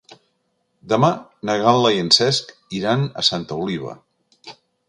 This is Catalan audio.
Demà na Gal·la i en Cesc iran a Santa Oliva.